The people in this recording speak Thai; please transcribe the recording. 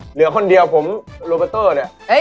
เหลือคนเดียวผมโลเบอร์เตอร์เนี่ย